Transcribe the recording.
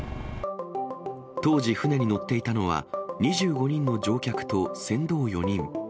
当時、船に乗っていたのは２５人の乗客と船頭４人。